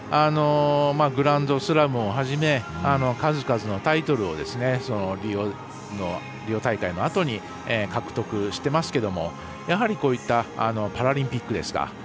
グランドスラムをはじめ数々のタイトルをリオ大会のあとに獲得していますがやはり、こういったパラリンピックですか。